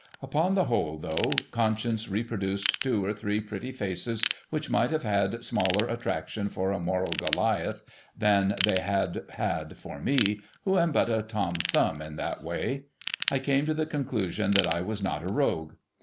\J\>on the whole, though Conscience reproduced two or three pretty faces which mii^ht have had smaller attraction for a moral Goliath than they had had for me, who am hut a 'J'om Thumb in that way, I came to the conclusion that 1 was not a Rogue.